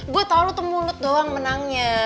gue tau lu tuh mulut doang menangnya